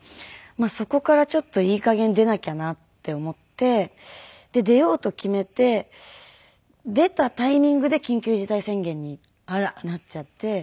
そこからちょっといい加減出なきゃなって思って出ようと決めて出たタイミングで緊急事態宣言になっちゃって。